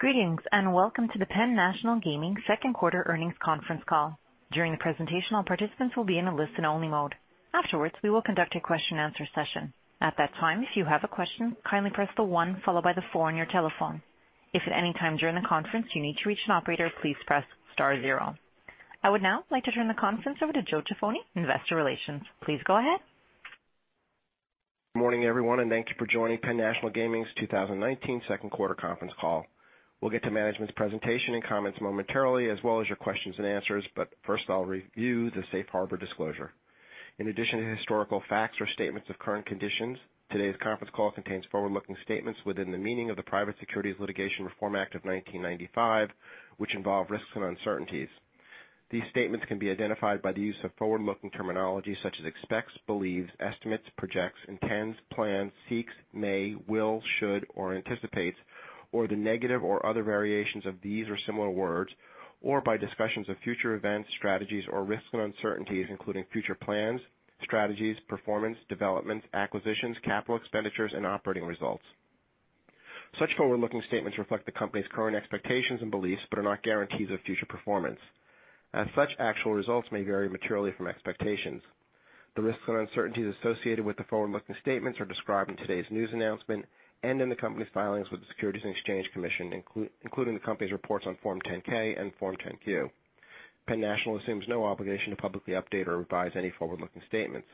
Greetings, and welcome to the Penn National Gaming second quarter earnings conference call. During the presentation, all participants will be in a listen-only mode. Afterwards, we will conduct a question and answer session. At that time, if you have a question, kindly press the 1 followed by the 4 on your telephone. If at any time during the conference you need to reach an operator, please press star zero. I would now like to turn the conference over to Joe Jaffoni, Investor Relations. Please go ahead. Morning, everyone. Thank you for joining Penn National Gaming's 2019 second quarter conference call. We'll get to management's presentation and comments momentarily, as well as your questions and answers. First, I'll review the safe harbor disclosure. In addition to historical facts or statements of current conditions, today's conference call contains forward-looking statements within the meaning of the Private Securities Litigation Reform Act of 1995, which involve risks and uncertainties. These statements can be identified by the use of forward-looking terminology such as expects, believes, estimates, projects, intends, plans, seeks, may, will, should, or anticipates, or the negative or other variations of these or similar words, or by discussions of future events, strategies, or risks and uncertainties, including future plans, strategies, performance, developments, acquisitions, capital expenditures, and operating results. Such forward-looking statements reflect the company's current expectations and beliefs but are not guarantees of future performance. As such, actual results may vary materially from expectations. The risks and uncertainties associated with the forward-looking statements are described in today's news announcement and in the company's filings with the Securities and Exchange Commission, including the company's reports on Form 10-K and Form 10-Q. Penn National assumes no obligation to publicly update or revise any forward-looking statements.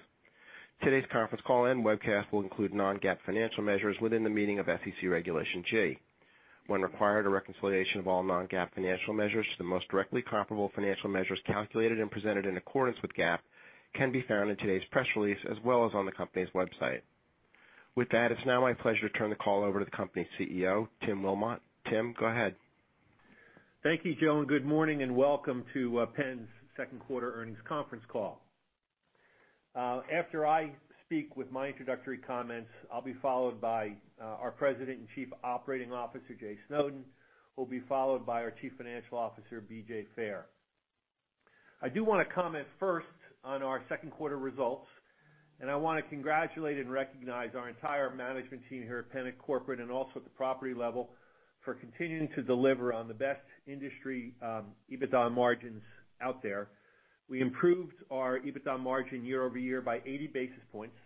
Today's conference call and webcast will include non-GAAP financial measures within the meaning of SEC Regulation G. When required, a reconciliation of all non-GAAP financial measures to the most directly comparable financial measures calculated and presented in accordance with GAAP can be found in today's press release, as well as on the company's website. With that, it's now my pleasure to turn the call over to the company's CEO, Tim Wilmott. Tim, go ahead. Thank you, Joe. Good morning and welcome to PENN's second quarter earnings conference call. After I speak with my introductory comments, I'll be followed by our President and Chief Operating Officer, Jay Snowden, who will be followed by our Chief Financial Officer, BJ Fair. I do want to comment first on our second quarter results. I want to congratulate and recognize our entire management team here at PENN and corporate, and also at the property level, for continuing to deliver on the best industry EBITDA margins out there. We improved our EBITDA margin year-over-year by 80 basis points.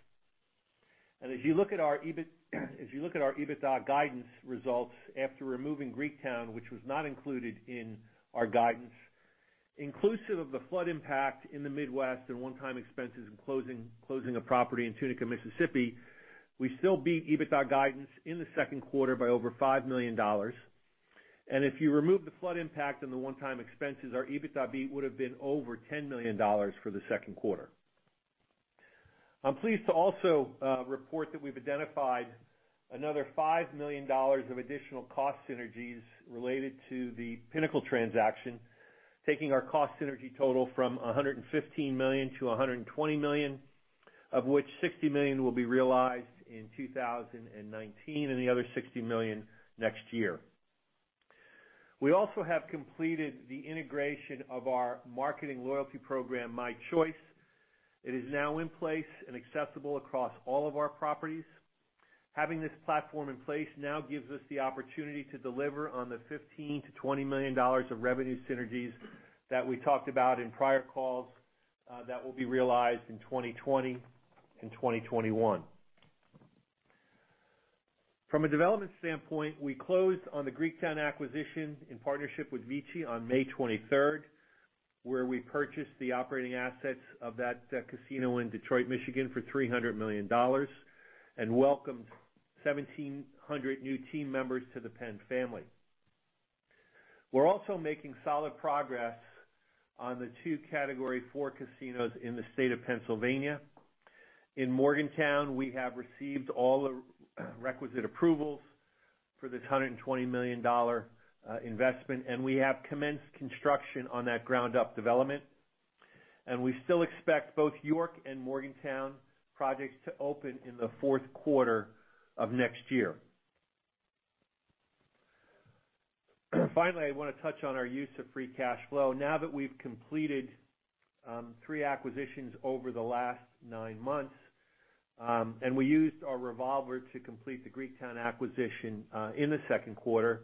If you look at our EBITDA guidance results after removing Greektown, which was not included in our guidance, inclusive of the flood impact in the Midwest and one-time expenses in closing a property in Tunica, Mississippi, we still beat EBITDA guidance in the second quarter by over $5 million. If you remove the flood impact and the one-time expenses, our EBITDA beat would have been over $10 million for the second quarter. I'm pleased to also report that we've identified another $5 million of additional cost synergies related to the Pinnacle transaction, taking our cost synergy total from $115 million to $120 million, of which $60 million will be realized in 2019 and the other $60 million next year. We also have completed the integration of our marketing loyalty program, mychoice. It is now in place and accessible across all of our properties. Having this platform in place now gives us the opportunity to deliver on the $15 million-$20 million of revenue synergies that we talked about in prior calls that will be realized in 2020 and 2021. From a development standpoint, we closed on the Greektown acquisition in partnership with VICI on May 23rd, where we purchased the operating assets of that casino in Detroit, Michigan, for $300 million and welcomed 1,700 new team members to the PENN family. We're also making solid progress on the two Category 4 casinos in the state of Pennsylvania. In Morgantown, we have received all the requisite approvals for this $120 million investment, we have commenced construction on that ground-up development. We still expect both York and Morgantown projects to open in the fourth quarter of next year. Finally, I want to touch on our use of free cash flow. Now that we've completed three acquisitions over the last nine months, and we used our revolver to complete the Greektown acquisition in the second quarter.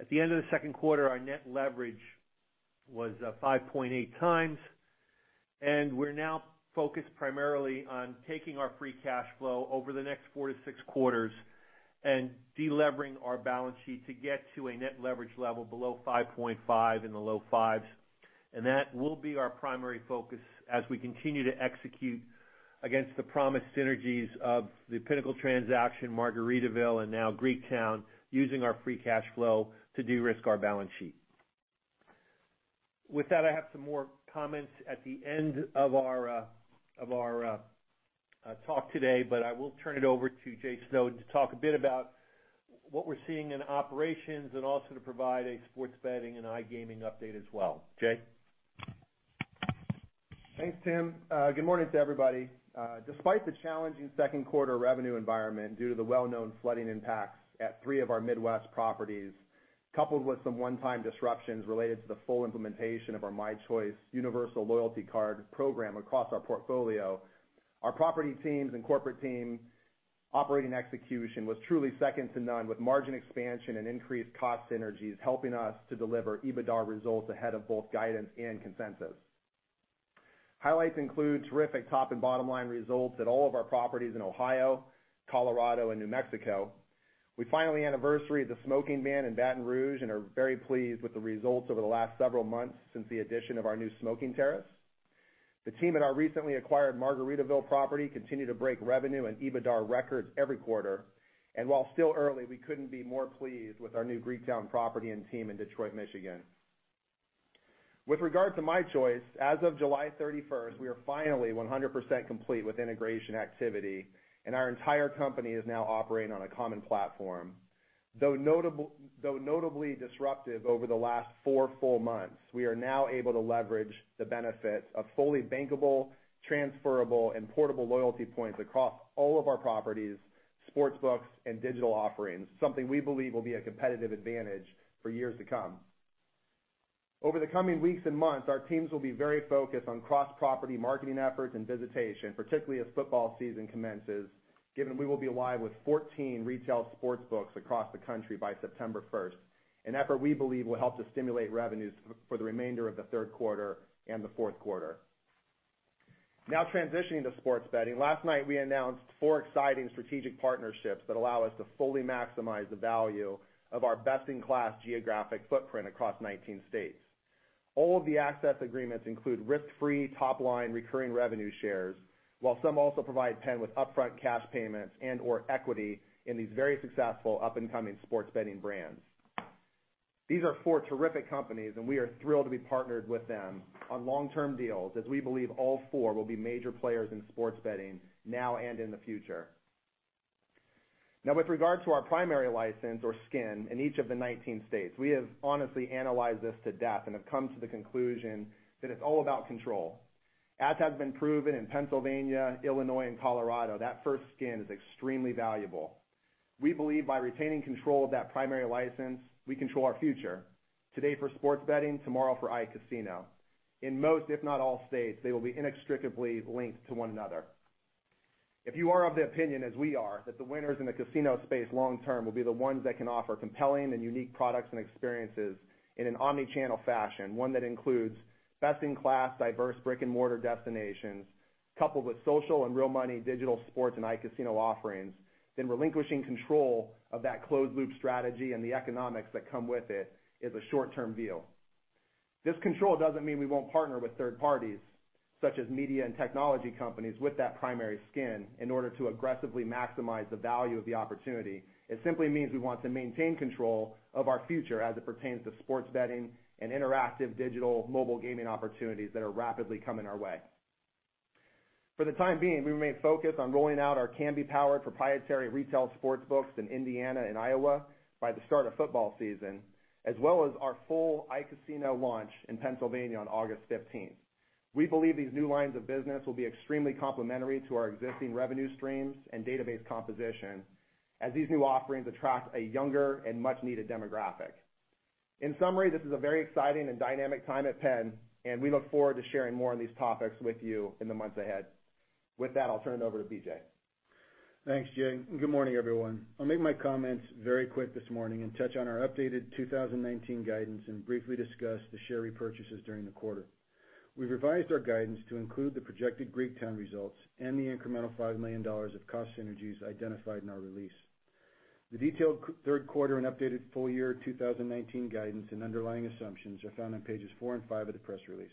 At the end of the second quarter, our net leverage was 5.8 times, and we're now focused primarily on taking our free cash flow over the next four to six quarters and de-levering our balance sheet to get to a net leverage level below 5.5 in the low fives. That will be our primary focus as we continue to execute against the promised synergies of the Pinnacle transaction, Margaritaville, and now Greektown, using our free cash flow to de-risk our balance sheet. With that, I have some more comments at the end of our talk today, but I will turn it over to Jay Snowden to talk a bit about what we're seeing in operations and also to provide a sports betting and iGaming update as well. Jay? Thanks, Tim. Good morning to everybody. Despite the challenging second quarter revenue environment due to the well-known flooding impacts at three of our Midwest properties, coupled with some one-time disruptions related to the full implementation of our mychoice universal loyalty card program across our portfolio, our property teams and corporate team operating execution was truly second to none with margin expansion and increased cost synergies helping us to deliver EBITDAR results ahead of both guidance and consensus. Highlights include terrific top and bottom line results at all of our properties in Ohio, Colorado, and New Mexico. We finally anniversaried the Smoking Ban in Baton Rouge and are very pleased with the results over the last several months since the addition of our new smoking terrace. The team at our recently acquired Margaritaville property continue to break revenue and EBITDAR records every quarter. While still early, we couldn't be more pleased with our new Greektown property and team in Detroit, Michigan. With regard to mychoice, as of July 31st, we are finally 100% complete with integration activity, and our entire company is now operating on a common platform. Though notably disruptive over the last 4 full months, we are now able to leverage the benefits of fully bankable, transferable, and portable loyalty points across all of our properties, sportsbooks, and digital offerings, something we believe will be a competitive advantage for years to come. Over the coming weeks and months, our teams will be very focused on cross-property marketing efforts and visitation, particularly as football season commences, given we will be live with 14 retail sportsbooks across the country by September 1st. An effort we believe will help to stimulate revenues for the remainder of the third quarter and the fourth quarter. Transitioning to sports betting. Last night, we announced 4 exciting strategic partnerships that allow us to fully maximize the value of our best-in-class geographic footprint across 19 states. All of the access agreements include risk-free, top-line recurring revenue shares, while some also provide PENN with upfront cash payments and/or equity in these very successful up-and-coming sports betting brands. These are 4 terrific companies. We are thrilled to be partnered with them on long-term deals as we believe all 4 will be major players in sports betting now and in the future. With regard to our primary license or skin in each of the 19 states, we have honestly analyzed this to death and have come to the conclusion that it's all about control. As has been proven in Pennsylvania, Illinois, and Colorado, that first skin is extremely valuable. We believe by retaining control of that primary license, we control our future. Today for sports betting, tomorrow for iCasino. In most, if not all states, they will be inextricably linked to one another. If you are of the opinion as we are, that the winners in the casino space long term will be the ones that can offer compelling and unique products and experiences in an omni-channel fashion, one that includes best-in-class diverse brick-and-mortar destinations, coupled with social and real money digital sports and iCasino offerings, then relinquishing control of that closed-loop strategy and the economics that come with it is a short-term view. This control doesn't mean we won't partner with third parties such as media and technology companies with that primary skin in order to aggressively maximize the value of the opportunity. It simply means we want to maintain control of our future as it pertains to sports betting and interactive digital mobile gaming opportunities that are rapidly coming our way. For the time being, we remain focused on rolling out our Kambi-powered proprietary retail sports books in Indiana and Iowa by the start of football season, as well as our full iCasino launch in Pennsylvania on August 15th. We believe these new lines of business will be extremely complementary to our existing revenue streams and database composition as these new offerings attract a younger and much-needed demographic. In summary, this is a very exciting and dynamic time at PENN. We look forward to sharing more on these topics with you in the months ahead. With that, I'll turn it over to BJ. Thanks, Jay. Good morning, everyone. I'll make my comments very quick this morning and touch on our updated 2019 guidance and briefly discuss the share repurchases during the quarter. We've revised our guidance to include the projected Greektown results and the incremental $5 million of cost synergies identified in our release. The detailed third quarter and updated full year 2019 guidance and underlying assumptions are found on pages four and five of the press release.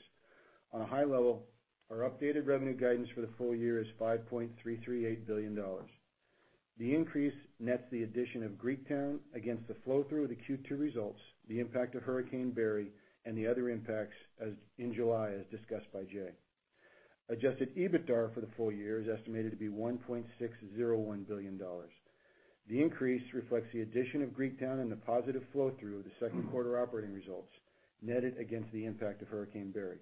On a high level, our updated revenue guidance for the full year is $5.338 billion. The increase nets the addition of Greektown against the flow-through of the Q2 results, the impact of Hurricane Barry, and the other impacts in July, as discussed by Jay. Adjusted EBITDAR for the full year is estimated to be $1.601 billion. The increase reflects the addition of Greektown and the positive flow-through of the second quarter operating results, netted against the impact of Hurricane Barry.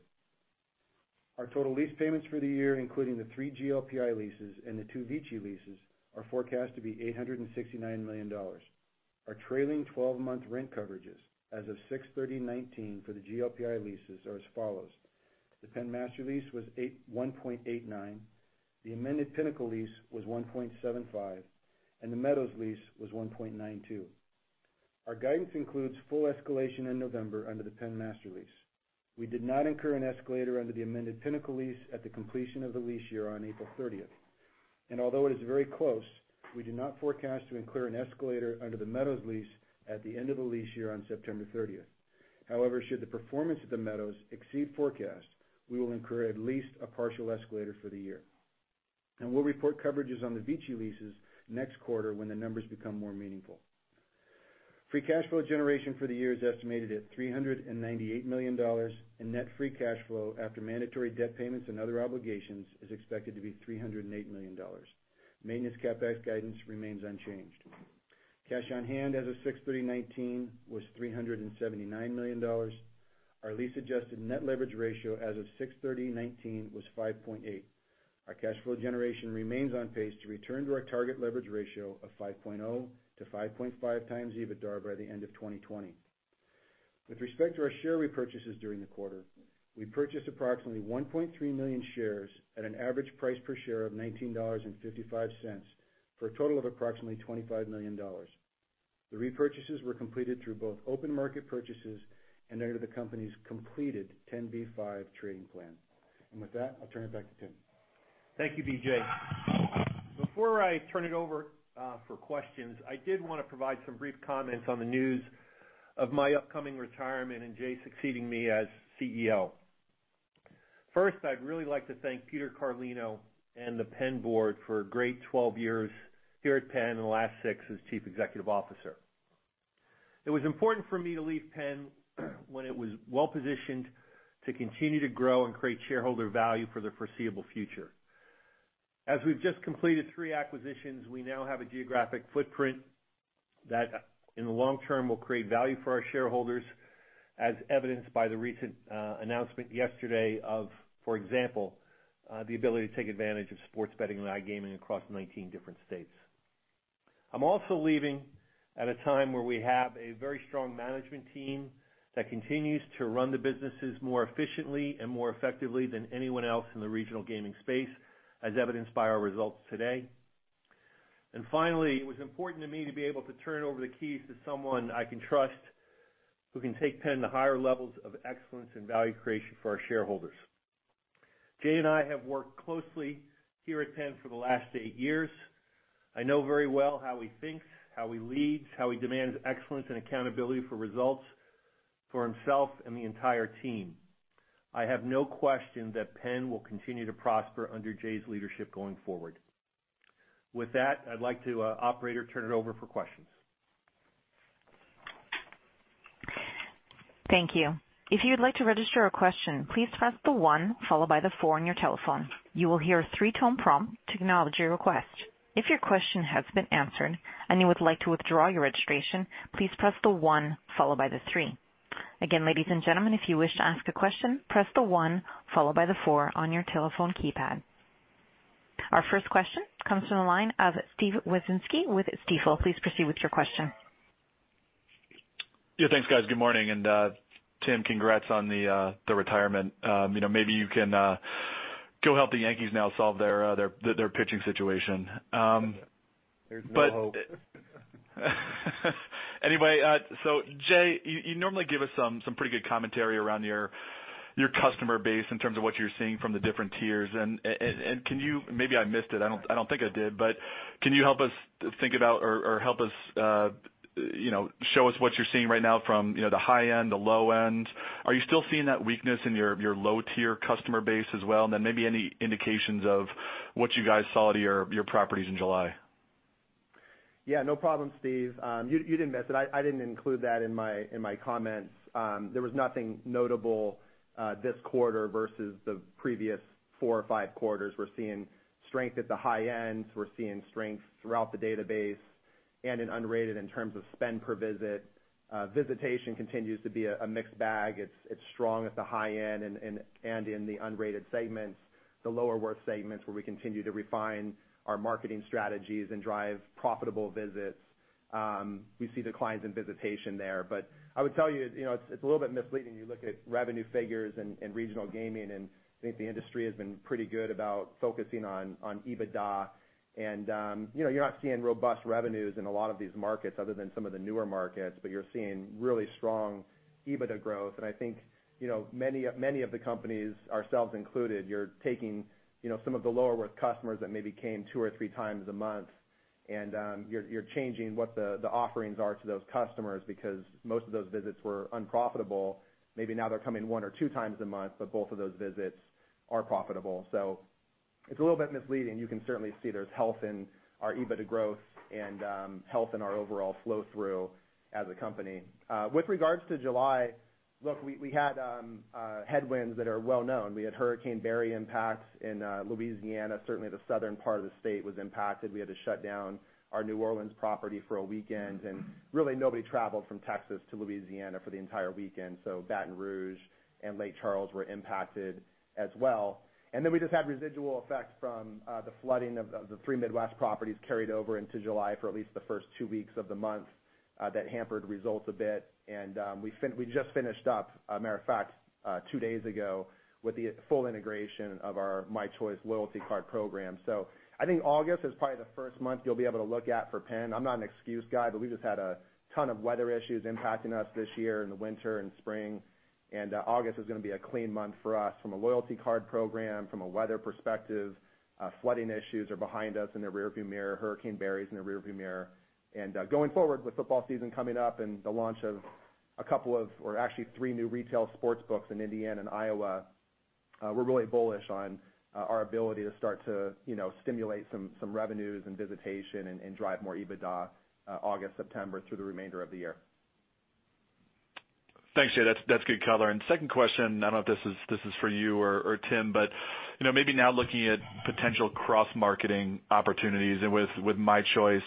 Our total lease payments for the year, including the three GLPI leases and the two VICI leases, are forecast to be $869 million. Our trailing 12-month rent coverages as of 16th, 2019 for the GLPI leases are as follows. The PENN Master Lease was 1.89, the amended Pinnacle lease was 1.75, and the Meadows lease was 1.92. Our guidance includes full escalation in November under the PENN Master Lease. We did not incur an escalator under the amended Pinnacle lease at the completion of the lease year on April 30th. Although it is very close, we do not forecast to incur an escalator under the Meadows lease at the end of the lease year on September 30th. However, should the performance of the Meadows exceed forecast, we will incur at least a partial escalator for the year. We'll report coverages on the VICI leases next quarter when the numbers become more meaningful. Free cash flow generation for the year is estimated at $398 million, and net free cash flow after mandatory debt payments and other obligations is expected to be $308 million. Maintenance CapEx guidance remains unchanged. Cash on hand as of 16th, 2019 was $379 million. Our lease-adjusted net leverage ratio as of 6/30/2019 was 5.8. Our cash flow generation remains on pace to return to our target leverage ratio of 5.0 to 5.5 times EBITDA by the end of 2020. With respect to our share repurchases during the quarter, we purchased approximately 1.3 million shares at an average price per share of $19.55 for a total of approximately $25 million. The repurchases were completed through both open market purchases and under the company's completed 10b5-1 trading plan. With that, I'll turn it back to Tim. Thank you, BJ. Before I turn it over for questions, I did want to provide some brief comments on the news of my upcoming retirement and Jay succeeding me as CEO. First, I'd really like to thank Peter Carlino and the PENN board for a great 12 years here at PENN, and the last six as Chief Executive Officer. It was important for me to leave PENN when it was well-positioned to continue to grow and create shareholder value for the foreseeable future. As we've just completed three acquisitions, we now have a geographic footprint that, in the long term, will create value for our shareholders, as evidenced by the recent announcement yesterday of, for example, the ability to take advantage of sports betting and iGaming across 19 different states. I'm also leaving at a time where we have a very strong management team that continues to run the businesses more efficiently and more effectively than anyone else in the regional gaming space, as evidenced by our results today. Finally, it was important to me to be able to turn over the keys to someone I can trust, who can take PENN to higher levels of excellence and value creation for our shareholders. Jay and I have worked closely here at PENN for the last eight years. I know very well how he thinks, how he leads, how he demands excellence and accountability for results for himself and the entire team. I have no question that PENN will continue to prosper under Jay's leadership going forward. With that, I'd like to, operator, turn it over for questions. Thank you. If you would like to register a question, please press the one followed by the four on your telephone. You will hear a three-tone prompt to acknowledge your request. If your question has been answered and you would like to withdraw your registration, please press the one followed by the three. Again, ladies and gentlemen, if you wish to ask a question, press the one followed by the four on your telephone keypad. Our first question comes from the line of Steven Wieczynski with Stifel. Please proceed with your question. Yeah, thanks, guys. Good morning. Tim, congrats on the retirement. Maybe you can go help the Yankees now solve their pitching situation. There's no hope. Anyway, Jay, you normally give us some pretty good commentary around your customer base in terms of what you're seeing from the different tiers. Can you, maybe I missed it, I don't think I did, but can you help us think about or help us show us what you're seeing right now from the high end, the low end? Are you still seeing that weakness in your low-tier customer base as well? Then maybe any indications of what you guys saw to your properties in July. No problem, Steve. You didn't miss it. I didn't include that in my comments. There was nothing notable this quarter versus the previous four or five quarters. We're seeing strength at the high end. We're seeing strength throughout the database and in unrated in terms of spend per visit. Visitation continues to be a mixed bag. It's strong at the high end and in the unrated segments, the lower worth segments, where we continue to refine our marketing strategies and drive profitable visits. We see declines in visitation there. I would tell you, it's a little bit misleading. You look at revenue figures and regional gaming, and I think the industry has been pretty good about focusing on EBITDA. You're not seeing robust revenues in a lot of these markets other than some of the newer markets, but you're seeing really strong EBITDA growth. I think many of the companies, ourselves included, you're taking some of the lower worth customers that maybe came two or three times a month, and you're changing what the offerings are to those customers because most of those visits were unprofitable. Maybe now they're coming one or two times a month, but both of those visits are profitable. It's a little bit misleading. You can certainly see there's health in our EBITDA growth and health in our overall flow-through as a company. With regards to July, look, we had headwinds that are well-known. We had Hurricane Barry impacts in Louisiana. Certainly, the southern part of the state was impacted. We had to shut down our New Orleans property for a weekend, and really nobody traveled from Texas to Louisiana for the entire weekend. Baton Rouge and Lake Charles were impacted as well. We just had residual effects from the flooding of the three Midwest properties carried over into July for at least the first two weeks of the month. That hampered results a bit. We just finished up, a matter of fact, two days ago, with the full integration of our mychoice loyalty card program. I think August is probably the first month you'll be able to look at for PENN. I'm not an excuse guy. We just had a ton of weather issues impacting us this year in the winter and spring. August is going to be a clean month for us from a loyalty card program, from a weather perspective. Flooding issues are behind us in the rear view mirror. Hurricane Barry's in the rear view mirror. Going forward with football season coming up and the launch of a couple of, or actually three new retail sports books in Indiana and Iowa, we're really bullish on our ability to start to stimulate some revenues and visitation and drive more EBITDA August, September through the remainder of the year. Thanks, Jay. That's good color. Second question, I don't know if this is for you or Tim, maybe now looking at potential cross-marketing opportunities and with mychoice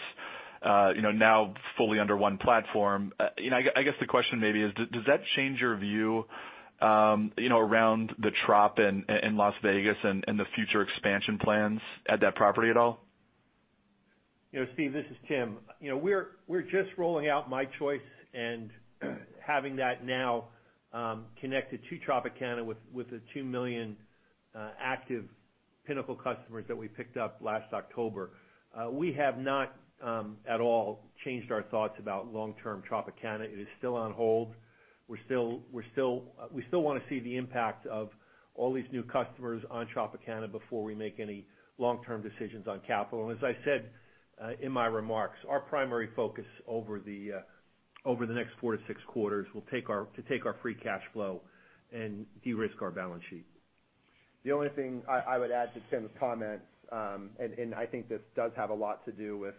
fully under one platform. I guess the question maybe is, does that change your view around the Trop in Las Vegas and the future expansion plans at that property at all? Steve, this is Tim. We're just rolling out mychoice and having that now connected to Tropicana with the 2 million active Pinnacle customers that we picked up last October. We have not at all changed our thoughts about long-term Tropicana. It is still on hold. We still want to see the impact of all these new customers on Tropicana before we make any long-term decisions on capital. As I said in my remarks, our primary focus over the next 4 to 6 quarters to take our free cash flow and de-risk our balance sheet. The only thing I would add to Tim's comments, and I think this does have a lot to do with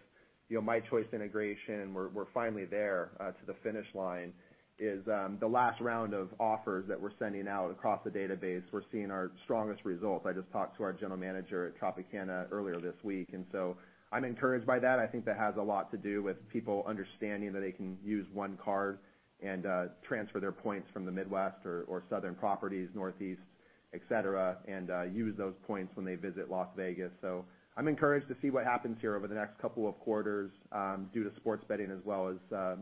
mychoice integration, we're finally there to the finish line, is the last round of offers that we're sending out across the database, we're seeing our strongest results. I just talked to our general manager at Tropicana earlier this week, I'm encouraged by that. I think that has a lot to do with people understanding that they can use one card and transfer their points from the Midwest or southern properties, Northeast, et cetera, and use those points when they visit Las Vegas. I'm encouraged to see what happens here over the next couple of quarters, due to sports betting as well as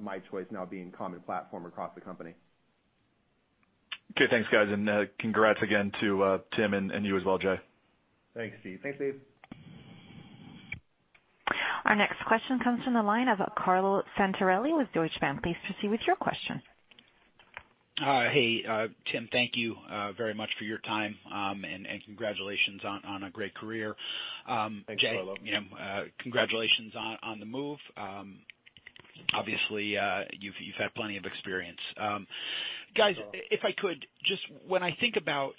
mychoice now being common platform across the company. Okay, thanks, guys, and congrats again to Tim and you as well, Jay. Thanks, Steve. Thanks, Steve. Our next question comes from the line of Carlo Santarelli with Deutsche Bank. Please proceed with your question. Hey, Tim, thank you very much for your time, and congratulations on a great career. Thanks, Carlo. Jay, congratulations on the move. Obviously, you've had plenty of experience. Guys, if I could, just when I think about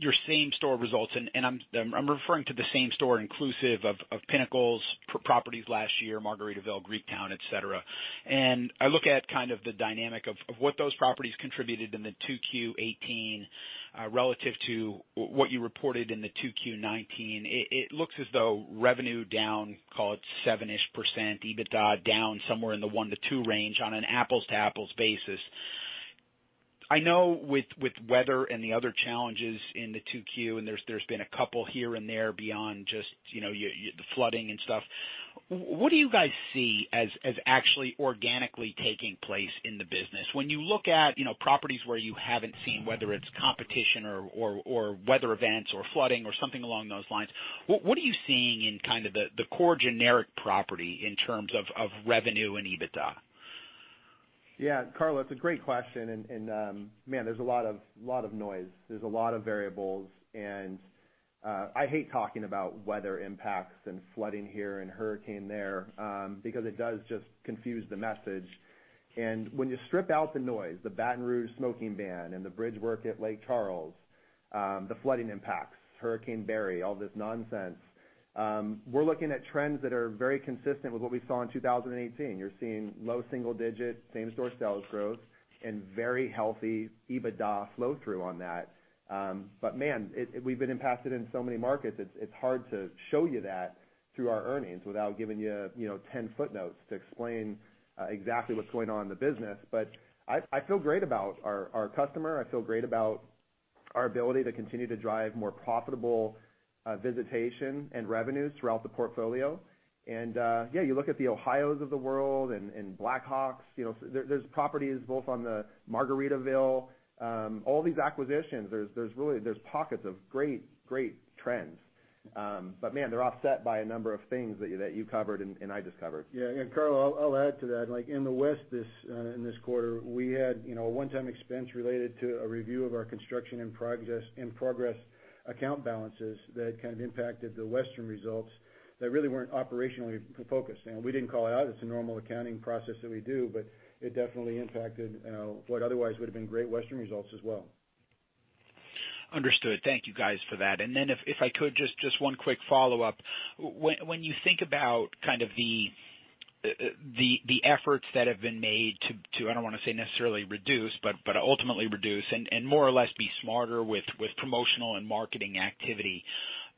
your same store results, and I'm referring to the same store inclusive of Pinnacle's properties last year, Margaritaville, Greektown, et cetera. I look at kind of the dynamic of what those properties contributed in the 2Q18, relative to what you reported in the 2Q19. It looks as though revenue down, call it 7-ish%, EBITDA down somewhere in the one to two range on an apples to apples basis. I know with weather and the other challenges in the 2Q, and there's been a couple here and there beyond just the flooding and stuff. What do you guys see as actually organically taking place in the business? When you look at properties where you haven't seen, whether it's competition or weather events or flooding or something along those lines, what are you seeing in kind of the core generic property in terms of revenue and EBITDA? Yeah, Carlo, it's a great question. Man, there's a lot of noise. There's a lot of variables. I hate talking about weather impacts and flooding here and hurricane there, because it does just confuse the message. When you strip out the noise, the Baton Rouge smoking ban and the bridge work at Lake Charles, the flooding impacts, Hurricane Barry, all this nonsense, we're looking at trends that are very consistent with what we saw in 2018. You're seeing low single digit same store sales growth and very healthy EBITDA flow-through on that. Man, we've been impacted in so many markets, it's hard to show you that through our earnings without giving you 10 footnotes to explain exactly what's going on in the business. I feel great about our customer. I feel great about our ability to continue to drive more profitable visitation and revenues throughout the portfolio. Yeah, you look at the Ohios of the world and Black Hawk, there's properties both on the Margaritaville, all these acquisitions, there's pockets of great trends. Man, they're offset by a number of things that you covered and I just covered. Carlo, I'll add to that. In the West in this quarter, we had a one-time expense related to a review of our construction in progress account balances that kind of impacted the Western results that really weren't operationally focused. We didn't call it out. It's a normal accounting process that we do, it definitely impacted what otherwise would've been great Western results as well. Understood. Thank you guys for that. If I could, just one quick follow-up. When you think about kind of the efforts that have been made to, I don't want to say necessarily reduce, but ultimately reduce and more or less be smarter with promotional and marketing activity.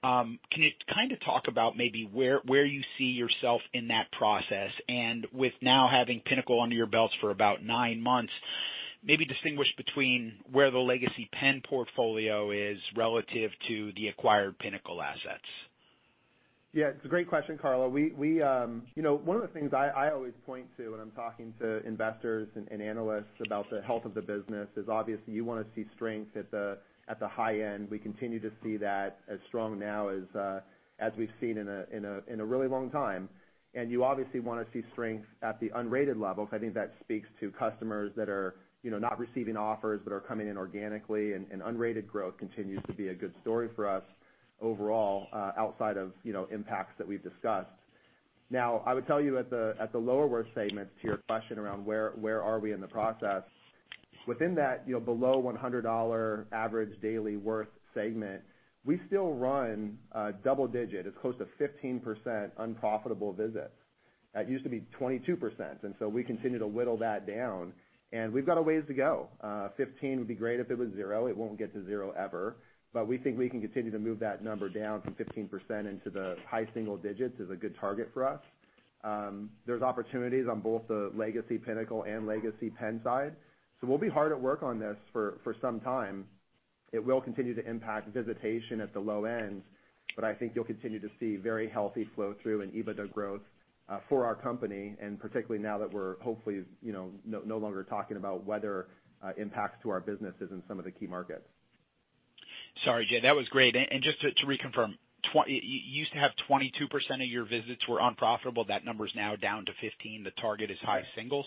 Can you kind of talk about maybe where you see yourself in that process and with now having Pinnacle under your belts for about nine months, maybe distinguish between where the legacy Penn portfolio is relative to the acquired Pinnacle assets? Yeah, it's a great question, Carlo. One of the things I always point to when I'm talking to investors and analysts about the health of the business is obviously you want to see strength at the high end. We continue to see that as strong now as we've seen in a really long time. You obviously want to see strength at the unrated levels. I think that speaks to customers that are not receiving offers, but are coming in organically, and unrated growth continues to be a good story for us overall, outside of impacts that we've discussed. Now, I would tell you at the lower worth segments to your question around where are we in the process. Within that below $100 average daily worth segment, we still run double-digit, as close to 15% unprofitable visits. That used to be 22%. We continue to whittle that down, and we've got a ways to go. 15 would be great. If it was 0, it won't get to 0 ever, but we think we can continue to move that number down from 15% into the high single digits is a good target for us. There's opportunities on both the legacy Pinnacle and legacy PENN side. We'll be hard at work on this for some time. It will continue to impact visitation at the low end, but I think you'll continue to see very healthy flow-through and EBITDA growth for our company, and particularly now that we're hopefully no longer talking about weather impacts to our businesses in some of the key markets. Sorry, Jay, that was great. Just to reconfirm, you used to have 22% of your visits were unprofitable. That number is now down to 15. The target is high singles?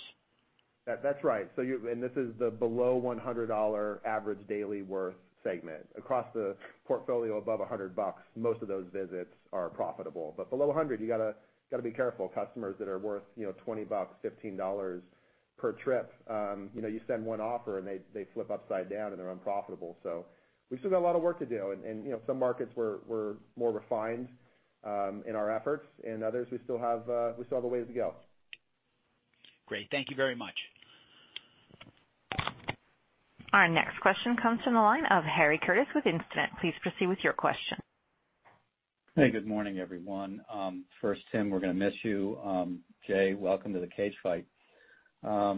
That's right. This is the below $100 average daily worth segment. Across the portfolio, above $100, most of those visits are profitable. Below $100, you got to be careful. Customers that are worth $20, $15 per trip, you send one offer, and they flip upside down, and they're unprofitable. We still got a lot of work to do, and some markets we're more refined in our efforts, and others we still have a ways to go. Great. Thank you very much. Our next question comes from the line of Harry Curtis with Instinet. Please proceed with your question. Hey, good morning, everyone. First, Tim, we're going to miss you. Jay, welcome to the cage fight. I've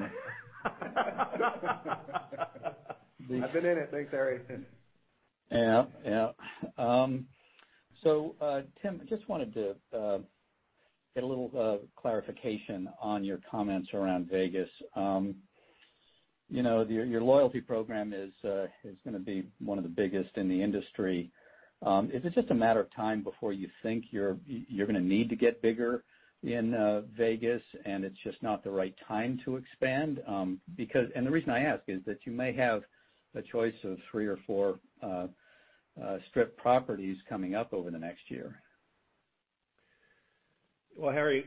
been in it. Thanks, Harry. Yeah. Tim, just wanted to get a little clarification on your comments around Vegas. Your loyalty program is going to be one of the biggest in the industry. Is it just a matter of time before you think you're going to need to get bigger in Vegas and it's just not the right time to expand? The reason I ask is that you may have a choice of three or four Strip properties coming up over the next year. Well, Harry,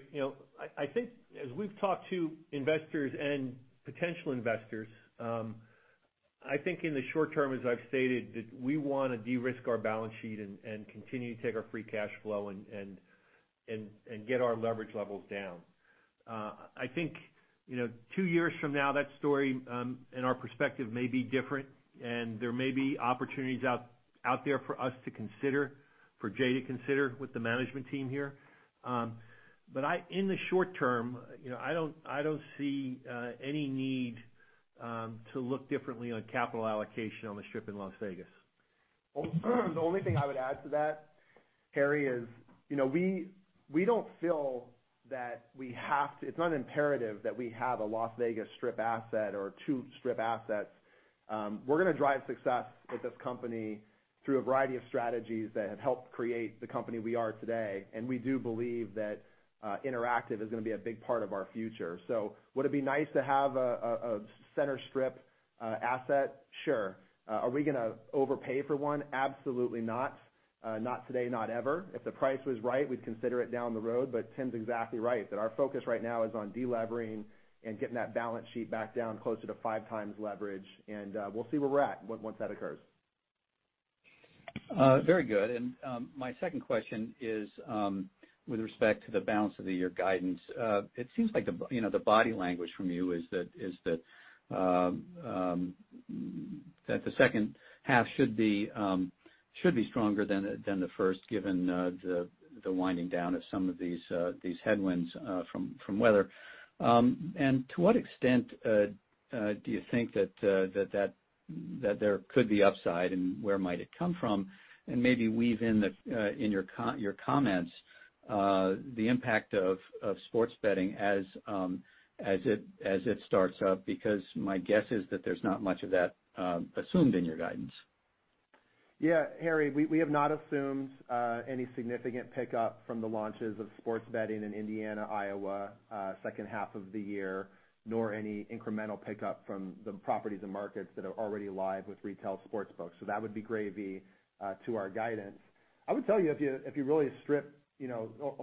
I think as we've talked to investors and potential investors, I think in the short term, as I've stated, that we want to de-risk our balance sheet and continue to take our free cash flow and get our leverage levels down. I think two years from now, that story and our perspective may be different, and there may be opportunities out there for us to consider, for Jay to consider with the management team here. In the short term, I don't see any need to look differently on capital allocation on the Strip in Las Vegas. The only thing I would add to that, Harry, is we don't feel that it's not imperative that we have a Las Vegas Strip asset or two Strip assets. We're going to drive success with this company through a variety of strategies that have helped create the company we are today, and we do believe that interactive is going to be a big part of our future. Would it be nice to have a center Strip asset? Sure. Are we going to overpay for one? Absolutely not. Not today, not ever. If the price was right, we'd consider it down the road, but Tim's exactly right, that our focus right now is on de-levering and getting that balance sheet back down closer to five times leverage, and we'll see where we're at once that occurs. Very good. My second question is with respect to the balance of the year guidance. It seems like the body language from you is that the second half should be stronger than the first, given the winding down of some of these headwinds from weather. To what extent do you think that there could be upside, and where might it come from? Maybe weave in your comments the impact of sports betting as it starts up, because my guess is that there's not much of that assumed in your guidance. Harry, we have not assumed any significant pickup from the launches of sports betting in Indiana, Iowa, second half of the year, nor any incremental pickup from the properties and markets that are already live with retail sportsbooks. That would be gravy to our guidance. I would tell you, if you really strip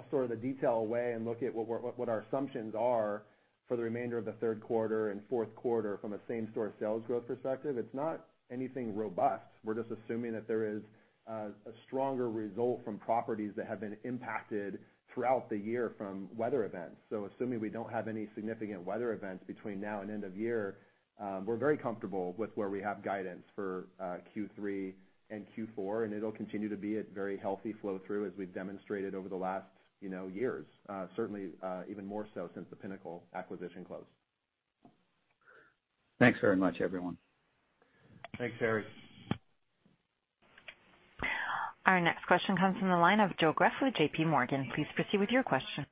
sort of the detail away and look at what our assumptions are for the remainder of the third quarter and fourth quarter from a same-store sales growth perspective, it's not anything robust. We're just assuming that there is a stronger result from properties that have been impacted throughout the year from weather events. Assuming we don't have any significant weather events between now and end of year, we're very comfortable with where we have guidance for Q3 and Q4, and it'll continue to be a very healthy flow-through as we've demonstrated over the last years. Certainly, even more so since the Pinnacle acquisition closed. Thanks very much, everyone. Thanks, Harry. Our next question comes from the line of Joe Greff with J.P. Morgan. Please proceed with your question.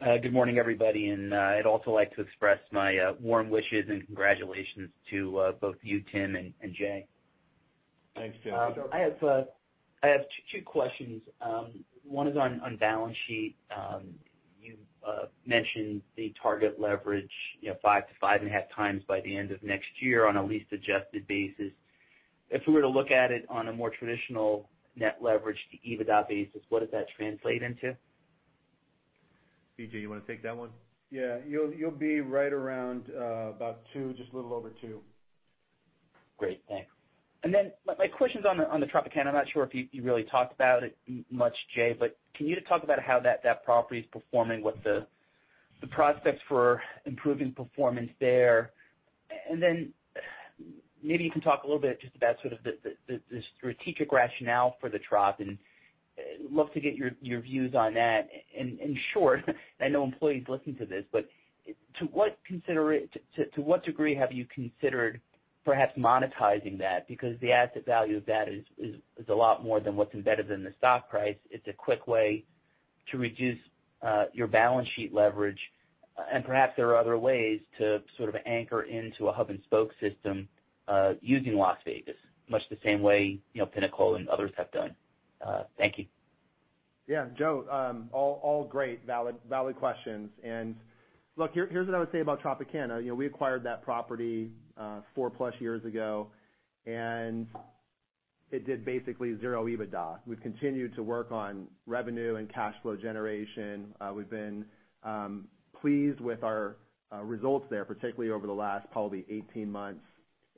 Good morning, everybody, I'd also like to express my warm wishes and congratulations to both you, Tim, and Jay. Thanks, Joe. I have two questions. One is on balance sheet. You mentioned the target leverage, 5-5.5 times by the end of next year on a lease-adjusted basis. If we were to look at it on a more traditional net leverage to EBITDA basis, what does that translate into? TJ, you want to take that one? Yeah. You'll be right around about two, just a little over two. Great. Thanks. My questions on the Tropicana, I'm not sure if you really talked about it much, Jay, but can you talk about how that property is performing, what the prospects for improving performance there? Maybe you can talk a little bit just about the strategic rationale for the Trop, and love to get your views on that. In short, I know employees listen to this, but to what degree have you considered perhaps monetizing that? Because the asset value of that is a lot more than what's embedded in the stock price. It's a quick way to reduce your balance sheet leverage. Perhaps there are other ways to sort of anchor into a hub and spoke system, using Las Vegas much the same way, Pinnacle and others have done. Thank you. Yeah, Joe, all great, valid questions. Look, here's what I would say about Tropicana. We acquired that property four-plus years ago, and it did basically zero EBITDA. We've continued to work on revenue and cash flow generation. We've been pleased with our results there, particularly over the last probably 18 months.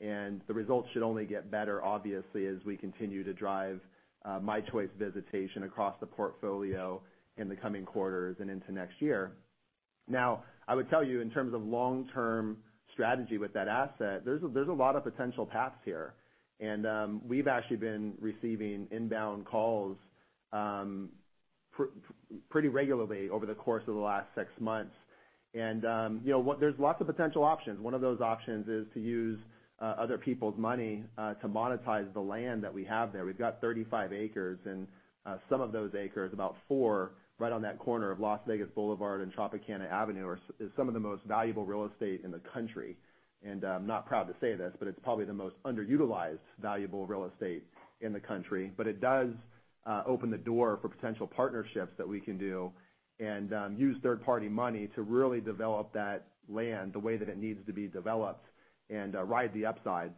The results should only get better, obviously, as we continue to drive mychoice visitation across the portfolio in the coming quarters and into next year. I would tell you in terms of long-term strategy with that asset, there's a lot of potential paths here. We've actually been receiving inbound calls pretty regularly over the course of the last six months. There's lots of potential options. One of those options is to use other people's money to monetize the land that we have there. We've got 35 acres, and some of those acres, about four, right on that corner of Las Vegas Boulevard and Tropicana Avenue, is some of the most valuable real estate in the country. I'm not proud to say this, but it's probably the most underutilized valuable real estate in the country. It does open the door for potential partnerships that we can do and use third-party money to really develop that land the way that it needs to be developed and ride the upside.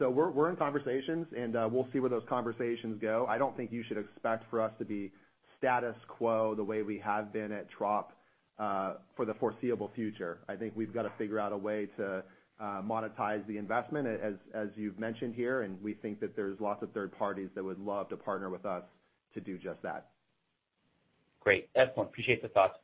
We're in conversations, and we'll see where those conversations go. I don't think you should expect for us to be status quo the way we have been at Trop for the foreseeable future. I think we've got to figure out a way to monetize the investment, as you've mentioned here, and we think that there's lots of third parties that would love to partner with us to do just that. Great. Excellent. Appreciate the thoughts.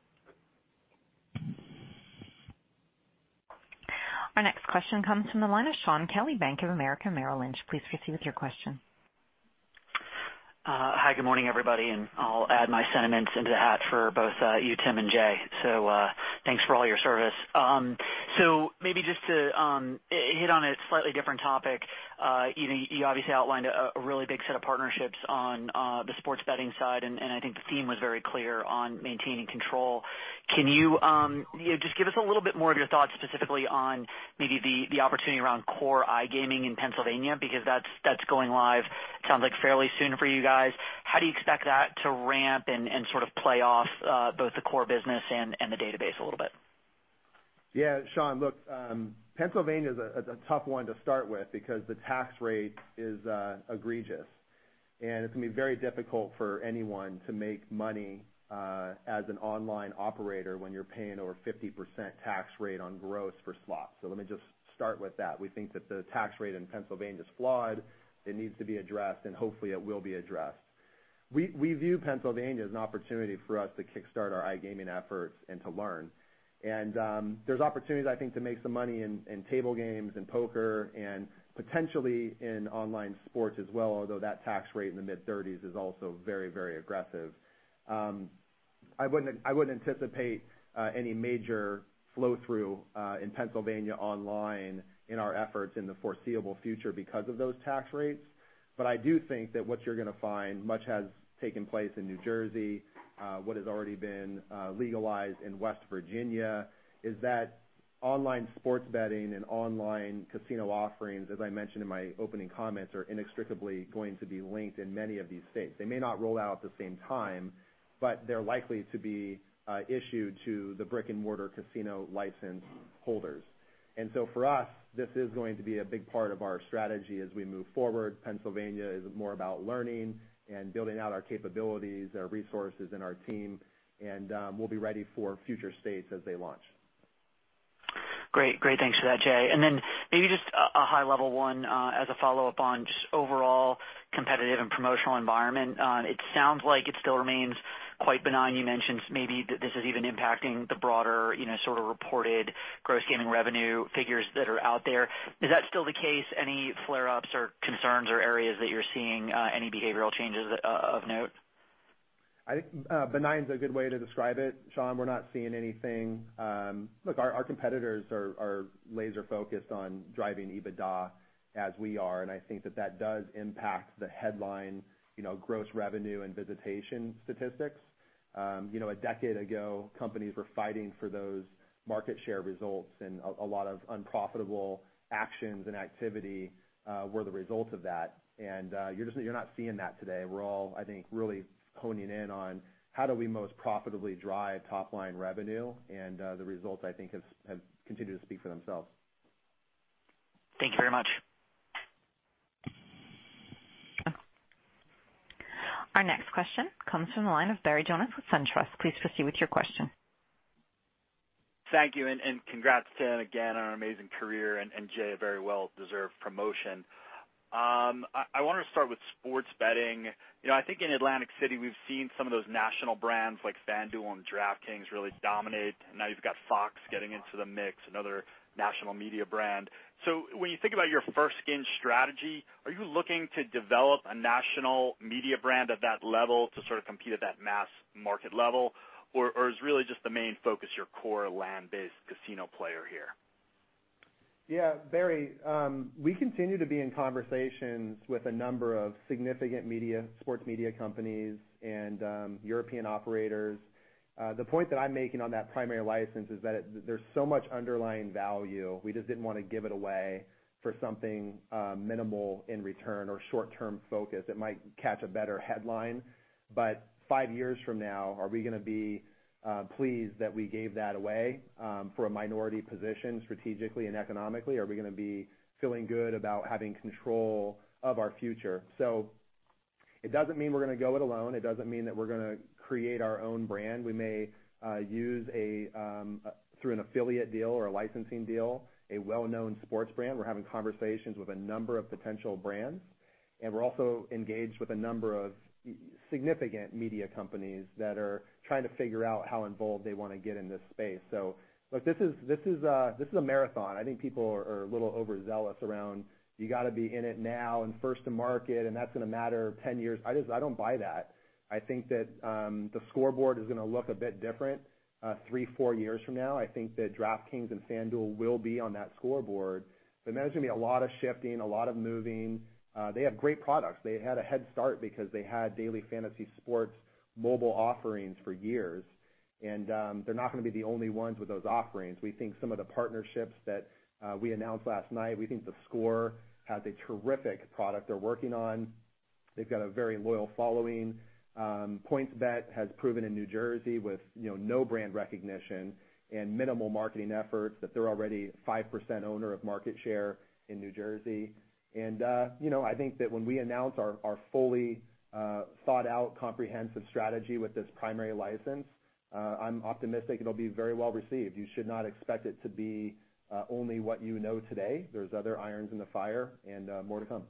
Our next question comes from the line of Shaun Kelley, Bank of America Merrill Lynch. Please proceed with your question. Hi, good morning, everybody, and I'll add my sentiments into the hat for both you, Tim, and Jay. Thanks for all your service. Maybe just to hit on a slightly different topic. You obviously outlined a really big set of partnerships on the sports betting side, and I think the theme was very clear on maintaining control. Can you just give us a little bit more of your thoughts specifically on maybe the opportunity around core iGaming in Pennsylvania? That's going live, sounds like fairly soon for you guys. How do you expect that to ramp and sort of play off both the core business and the database a little bit? Yeah, Shaun, look, Pennsylvania is a tough one to start with because the tax rate is egregious, and it's going to be very difficult for anyone to make money as an online operator when you're paying over 50% tax rate on gross for slots. Let me just start with that. We think that the tax rate in Pennsylvania is flawed. It needs to be addressed, and hopefully, it will be addressed. We view Pennsylvania as an opportunity for us to kickstart our iGaming efforts and to learn. There's opportunities, I think, to make some money in table games and poker and potentially in online sports as well, although that tax rate in the mid-30s is also very, very aggressive. I wouldn't anticipate any major flow-through in Pennsylvania online in our efforts in the foreseeable future because of those tax rates. I do think that what you're going to find much has taken place in New Jersey. What has already been legalized in West Virginia is that online sports betting and online casino offerings, as I mentioned in my opening comments, are inextricably going to be linked in many of these states. They may not roll out at the same time, but they're likely to be issued to the brick-and-mortar casino license holders. For us, this is going to be a big part of our strategy as we move forward. Pennsylvania is more about learning and building out our capabilities, our resources, and our team, and we'll be ready for future states as they launch. Great. Great. Thanks for that, Jay. Then maybe just a high-level one as a follow-up on just the overall competitive and promotional environment. It sounds like it still remains quite benign. You mentioned maybe that this is even impacting the broader sort of reported gross gaming revenue figures that are out there. Is that still the case? Any flare-ups or concerns or areas that you're seeing any behavioral changes of note? I think benign is a good way to describe it, Shaun. We're not seeing anything. Look, our competitors are laser-focused on driving EBITDA as we are. I think that that does impact the headline gross revenue and visitation statistics. A decade ago, companies were fighting for those market share results. A lot of unprofitable actions and activity were the result of that. You're not seeing that today. We're all, I think, really honing in on how do we most profitably drive top-line revenue. The results, I think, have continued to speak for themselves. Thank you very much. Our next question comes from the line of Barry Jonas with SunTrust. Please proceed with your question. Thank you, and congrats, Tim, again, on an amazing career and, Jay, a very well-deserved promotion. I want to start with sports betting. I think in Atlantic City, we've seen some of those national brands like FanDuel and DraftKings really dominate. Now you've got FOX getting into the mix, another national media brand. When you think about your first skin strategy, are you looking to develop a national media brand at that level to sort of compete at that mass market level? Is really just the main focus your core land-based casino player here? Barry, we continue to be in conversations with a number of significant sports media companies and European operators. The point that I'm making on that primary license is that there's so much underlying value, we just didn't want to give it away for something minimal in return or short-term focused. It might catch a better headline, five years from now, are we going to be pleased that we gave that away for a minority position strategically and economically? Are we going to be feeling good about having control of our future? It doesn't mean we're going to go it alone. It doesn't mean that we're going to create our own brand. We may use, through an affiliate deal or a licensing deal, a well-known sports brand. We're having conversations with a number of potential brands, and we're also engaged with a number of significant media companies that are trying to figure out how involved they want to get in this space. Look, this is a marathon. I think people are a little overzealous around, you got to be in it now and first to market, and that's going to matter 10 years. I don't buy that. I think that the scoreboard is going to look a bit different three, four years from now. I think that DraftKings and FanDuel will be on that scoreboard, but there's going to be a lot of shifting, a lot of moving. They have great products. They had a head start because they had daily fantasy sports mobile offerings for years, and they're not going to be the only ones with those offerings. We think some of the partnerships that we announced last night, we think theScore has a terrific product they're working on. They've got a very loyal following. PointsBet has proven in New Jersey with no brand recognition and minimal marketing efforts, that they're already 5% owner of market share in New Jersey. I think that when we announce our fully thought-out, comprehensive strategy with this primary license, I'm optimistic it'll be very well received. You should not expect it to be only what you know today. There's other irons in the fire and more to come.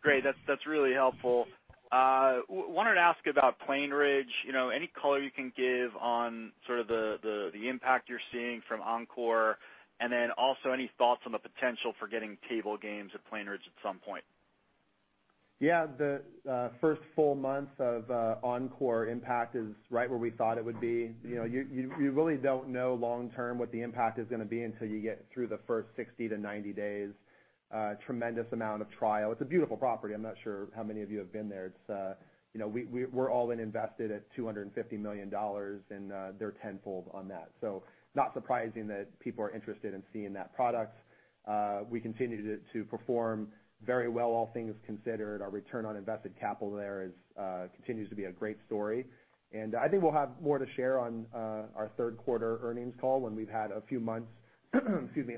Great. That's really helpful. I wanted to ask about Plainridge. Any color you can give on sort of the impact you're seeing from Encore, then also any thoughts on the potential for getting table games at Plainridge at some point? Yeah. The first full month of Encore impact is right where we thought it would be. You really don't know long term what the impact is going to be until you get through the first 60 to 90 days. A tremendous amount of trial. It's a beautiful property. I'm not sure how many of you have been there. We're all-in invested at $250 million, and they're tenfold on that. Not surprising that people are interested in seeing that product. We continue to perform very well, all things considered. Our return on invested capital there continues to be a great story. I think we'll have more to share on our third quarter earnings call when we've had a few months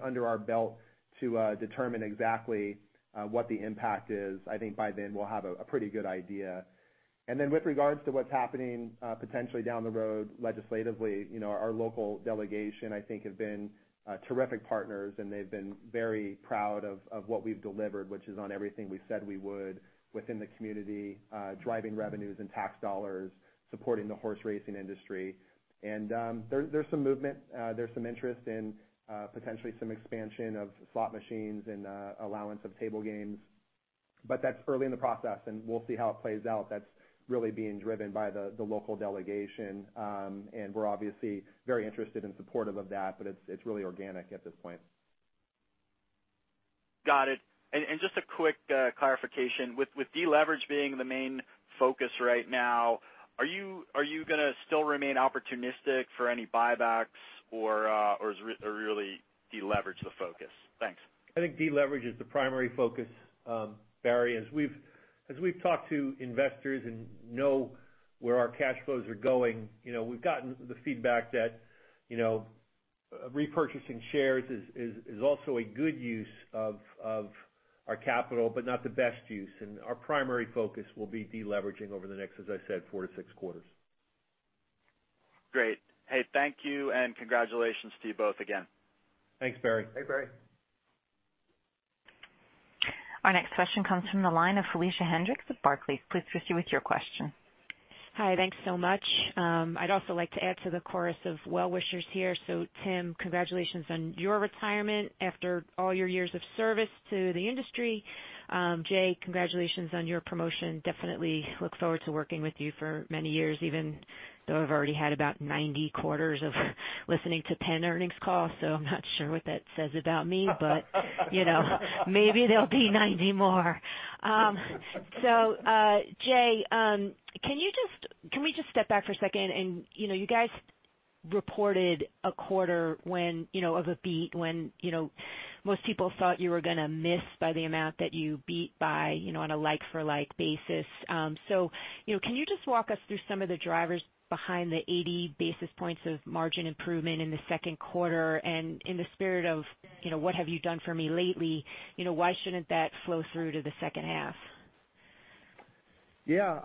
under our belt to determine exactly what the impact is. I think by then we'll have a pretty good idea. With regards to what's happening potentially down the road legislatively, our local delegation, I think, have been terrific partners, and they've been very proud of what we've delivered, which is on everything we said we would within the community, driving revenues and tax dollars, supporting the horse racing industry. There's some movement. There's some interest in potentially some expansion of slot machines and allowance of table games. That's early in the process, and we'll see how it plays out. That's really being driven by the local delegation. We're obviously very interested and supportive of that, but it's really organic at this point. Got it. Just a quick clarification. With deleverage being the main focus right now, are you going to still remain opportunistic for any buybacks, or is really deleverage the focus? Thanks. I think deleverage is the primary focus, Barry. As we've talked to investors and know where our cash flows are going, we've gotten the feedback that repurchasing shares is also a good use of our capital, but not the best use, and our primary focus will be deleveraging over the next, as I said, four to six quarters. Great. Hey, thank you, and congratulations to you both again. Thanks, Barry. Hey, Barry. Our next question comes from the line of Felicia Hendrix with Barclays. Please proceed with your question. Hi. Thanks so much. I'd also like to add to the chorus of well-wishers here. Tim, congratulations on your retirement after all your years of service to the industry. Jay, congratulations on your promotion. Definitely look forward to working with you for many years, even though I've already had about 90 quarters of listening to PENN earnings calls, I'm not sure what that says about me. Maybe there'll be 90 more. Jay, can we just step back for a second? You guys reported a quarter of a beat when most people thought you were going to miss by the amount that you beat by on a like-for-like basis. Can you just walk us through some of the drivers behind the 80 basis points of margin improvement in the second quarter? In the spirit of what have you done for me lately, why shouldn't that flow through to the second half? Yeah.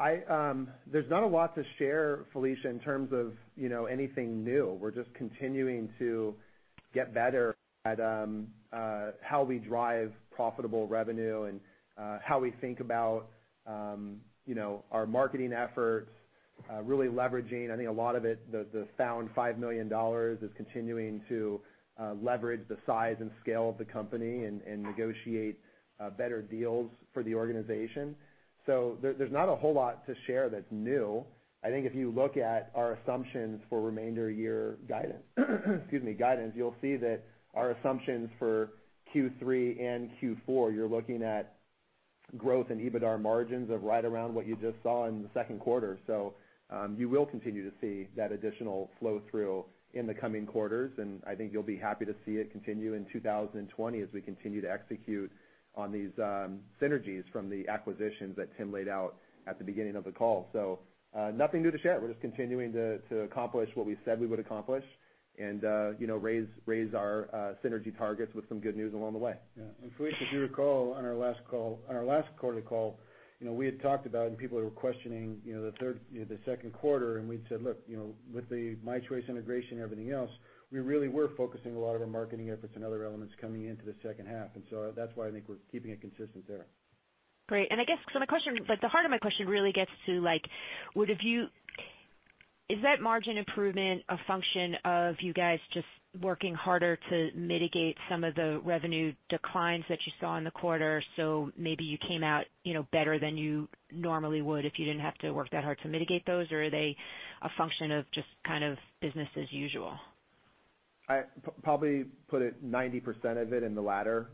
There's not a lot to share, Felicia, in terms of anything new. We're just continuing to get better at how we drive profitable revenue and how we think about our marketing efforts, really leveraging, I think a lot of it, the found $5 million is continuing to leverage the size and scale of the company and negotiate better deals for the organization. There's not a whole lot to share that's new. I think if you look at our assumptions for remainder year guidance, you'll see that our assumptions for Q3 and Q4, you're looking at growth and EBITDAR margins of right around what you just saw in the second quarter. You will continue to see that additional flow-through in the coming quarters, and I think you'll be happy to see it continue in 2020 as we continue to execute on these synergies from the acquisitions that Tim laid out at the beginning of the call. Nothing new to share. We're just continuing to accomplish what we said we would accomplish and raise our synergy targets with some good news along the way. Yeah. Felicia, if you recall on our last quarterly call, we had talked about, and people were questioning the second quarter, and we'd said, "Look, with the mychoice integration and everything else, we really were focusing a lot of our marketing efforts and other elements coming into the second half." That's why I think we're keeping it consistent there. Great. The heart of my question really gets to, is that margin improvement a function of you guys just working harder to mitigate some of the revenue declines that you saw in the quarter, so maybe you came out better than you normally would if you didn't have to work that hard to mitigate those? Are they a function of just kind of business as usual? I'd probably put it 90% of it in the latter-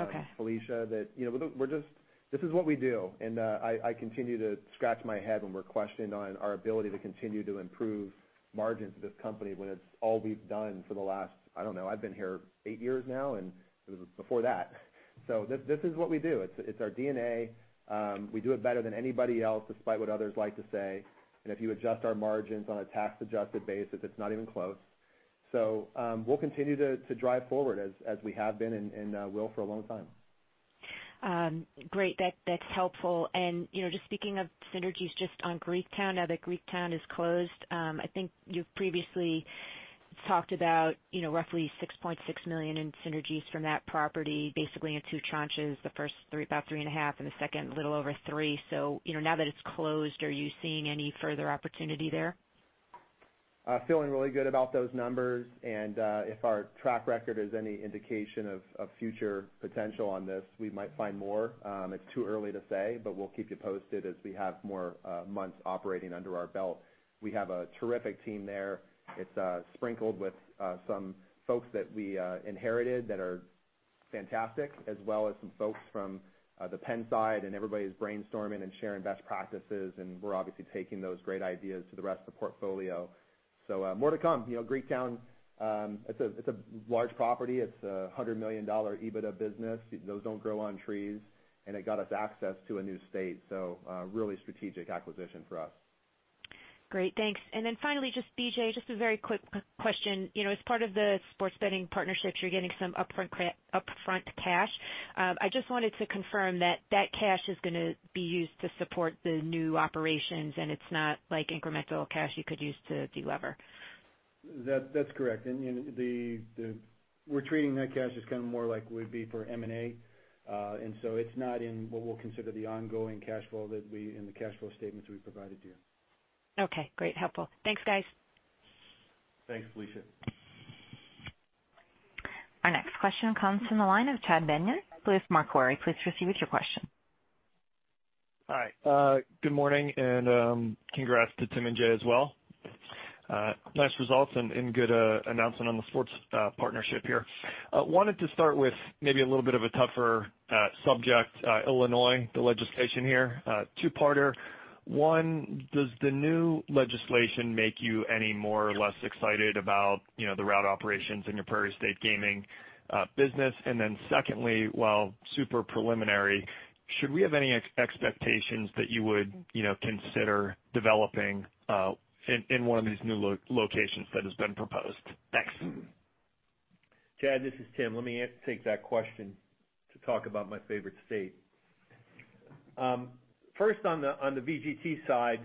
Okay Felicia. This is what we do, and I continue to scratch my head when we're questioned on our ability to continue to improve margins of this company when it's all we've done for the last, I don't know, I've been here eight years now, and it was before that. This is what we do. It's our DNA. We do it better than anybody else, despite what others like to say. If you adjust our margins on a tax-adjusted basis, it's not even close. We'll continue to drive forward as we have been and will for a long time. Great. That's helpful. Just speaking of synergies, just on Greektown, now that Greektown is closed, I think you've previously talked about roughly $6.6 million in synergies from that property, basically in two tranches, the first about three and a half, and the second, a little over three. Now that it's closed, are you seeing any further opportunity there? Feeling really good about those numbers. If our track record is any indication of future potential on this, we might find more. It's too early to say, but we'll keep you posted as we have more months operating under our belt. We have a terrific team there. It's sprinkled with some folks that we inherited that are fantastic, as well as some folks from the PENN side, and everybody's brainstorming and sharing best practices, and we're obviously taking those great ideas to the rest of the portfolio. More to come. Greektown, it's a large property. It's a $100 million EBITDA business. Those don't grow on trees, and it got us access to a new state. Really strategic acquisition for us. Great. Thanks. Finally, just BJ, just a very quick question. As part of the sports betting partnerships, you're getting some upfront cash. I just wanted to confirm that that cash is going to be used to support the new operations and it's not incremental cash you could use to de-lever. That's correct. We're treating that cash as coming more like would be for M&A. It's not in what we'll consider the ongoing cash flow in the cash flow statements we provided to you. Okay, great. Helpful. Thanks, guys. Thanks, Felicia. Our next question comes from the line of Chad Beynon, Macquarie. Please proceed with your question. Hi. Good morning, and congrats to Tim and Jay as well. Nice results and good announcement on the sports partnership here. Wanted to start with maybe a little bit of a tougher subject, Illinois, the legislation here. A two-parter. One, does the new legislation make you any more or less excited about the route operations in your Prairie State Gaming business? Then secondly, while super preliminary, should we have any expectations that you would consider developing in one of these new locations that has been proposed? Thanks. Chad, this is Tim. Let me take that question to talk about my favorite state. First on the VGT side,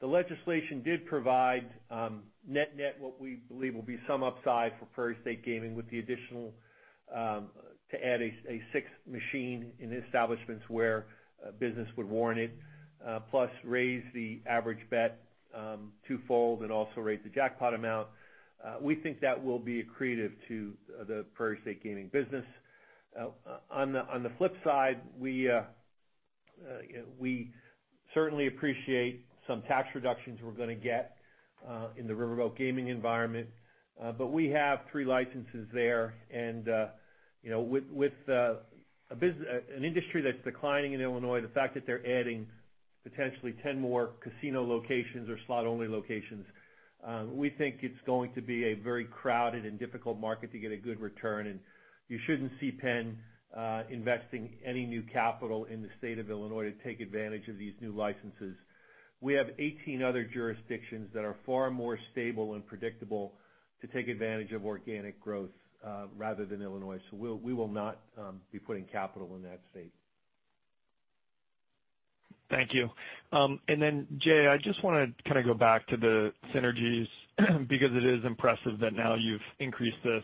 the legislation did provide net what we believe will be some upside for Prairie State Gaming with the additional to add a sixth machine in establishments where business would warrant it. Plus raise the average bet twofold and also raise the jackpot amount. We think that will be accretive to the Prairie State Gaming business. On the flip side, we certainly appreciate some tax reductions we're going to get in the riverboat gaming environment. We have three licenses there and with an industry that's declining in Illinois, the fact that they're adding potentially 10 more casino locations or slot-only locations, we think it's going to be a very crowded and difficult market to get a good return in. You shouldn't see PENN investing any new capital in the state of Illinois to take advantage of these new licenses. We have 18 other jurisdictions that are far more stable and predictable to take advantage of organic growth rather than Illinois. We will not be putting capital in that state. Thank you. Jay, I just want to go back to the synergies, because it is impressive that now you've increased this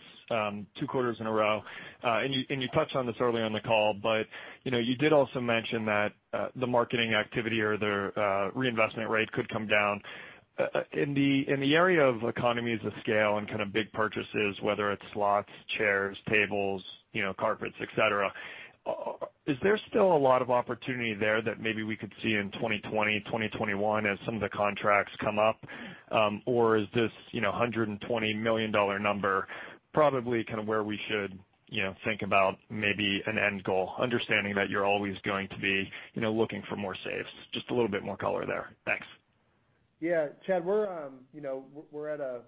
two quarters in a row. You touched on this early on the call, but you did also mention that the marketing activity or the reinvestment rate could come down. In the area of economies of scale and kind of big purchases, whether it's slots, chairs, tables, carpets, et cetera, is there still a lot of opportunity there that maybe we could see in 2020, 2021 as some of the contracts come up? Or is this $120 million number probably where we should think about maybe an end goal, understanding that you're always going to be looking for more saves? Just a little bit more color there. Thanks. Chad, we're at a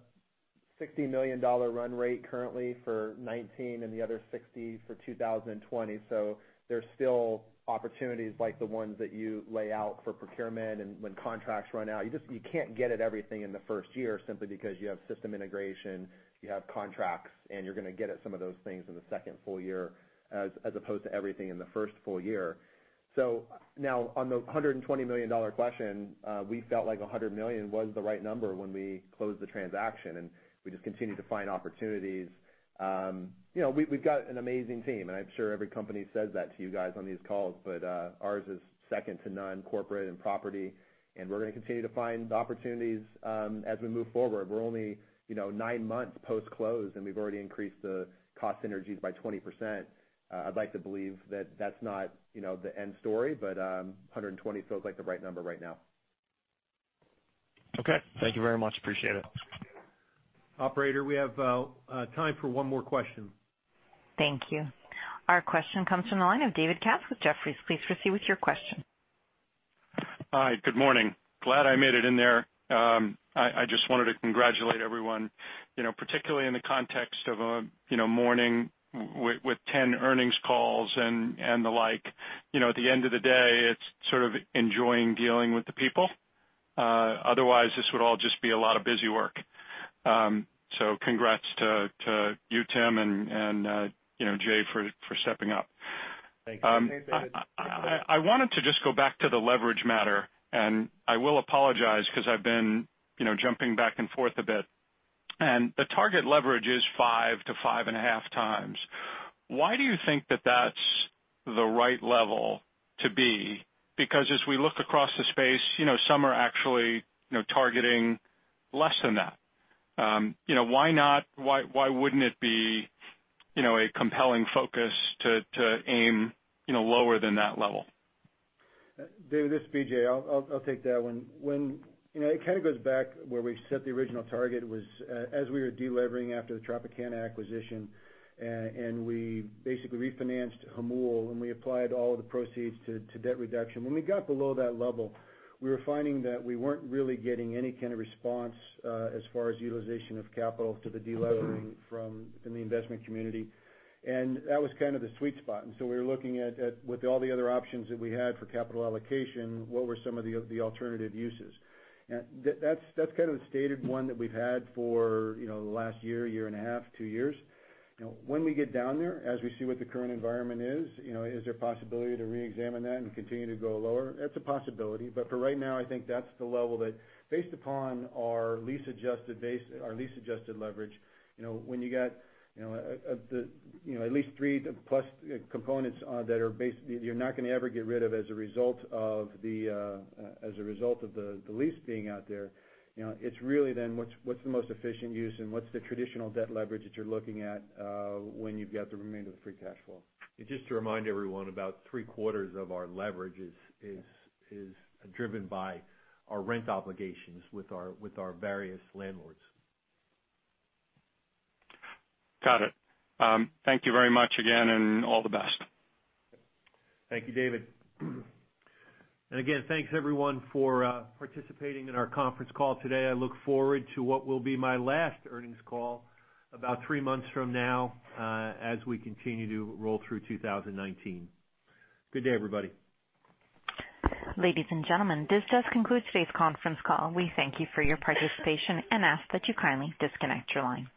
$60 million run rate currently for 2019 and the other $60 million for 2020. There's still opportunities like the ones that you lay out for procurement and when contracts run out. You can't get at everything in the first year simply because you have system integration, you have contracts, and you're going to get at some of those things in the second full year as opposed to everything in the first full year. Now on the $120 million question, we felt like $100 million was the right number when we closed the transaction, and we just continue to find opportunities. We've got an amazing team, and I'm sure every company says that to you guys on these calls, but ours is second to none, corporate and property, and we're going to continue to find opportunities as we move forward. We're only nine months post-close, and we've already increased the cost synergies by 20%. I'd like to believe that that's not the end story, but 120 feels like the right number right now. Okay. Thank you very much. Appreciate it. Operator, we have time for one more question. Thank you. Our question comes from the line of David Katz with Jefferies. Please proceed with your question. Hi, good morning. Glad I made it in there. I just wanted to congratulate everyone, particularly in the context of a morning with 10 earnings calls and the like. At the end of the day, it's sort of enjoying dealing with the people. Otherwise, this would all just be a lot of busy work. Congrats to you, Tim, and Jay for stepping up. Thank you. Hey, David. I wanted to just go back to the leverage matter. I will apologize because I've been jumping back and forth a bit. The target leverage is 5-5.5 times. Why do you think that that's the right level to be? Because as we look across the space, some are actually targeting less than that. Why wouldn't it be a compelling focus to aim lower than that level? David, this is BJ. I'll take that one. It kind of goes back where we set the original target was as we were de-levering after the Tropicana acquisition, and we basically refinanced Jamul, and we applied all of the proceeds to debt reduction. When we got below that level, we were finding that we weren't really getting any kind of response as far as utilization of capital to the de-levering from the investment community. That was kind of the sweet spot, and so we were looking at with all the other options that we had for capital allocation, what were some of the alternative uses? That's kind of the stated one that we've had for the last year and a half, two years. When we get down there, as we see what the current environment is there possibility to reexamine that and continue to go lower? It's a possibility. For right now, I think that's the level that based upon our lease-adjusted leverage, when you got at least three plus components that you're not going to ever get rid of as a result of the lease being out there, it's really then what's the most efficient use and what's the traditional debt leverage that you're looking at when you've got the remainder of the free cash flow. Just to remind everyone, about three quarters of our leverage is driven by our rent obligations with our various landlords. Got it. Thank you very much again, and all the best. Thank you, David. Again, thanks everyone for participating in our conference call today. I look forward to what will be my last earnings call about three months from now as we continue to roll through 2019. Good day, everybody. Ladies and gentlemen, this does conclude today's conference call. We thank you for your participation and ask that you kindly disconnect your lines.